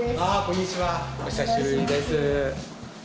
こんにちはお久しぶりです。